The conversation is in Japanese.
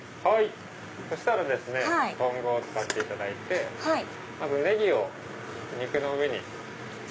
そしたらですねトングを使っていただいてまずネギを肉の上に。